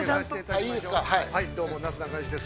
◆はい、どうもなすなかにしです。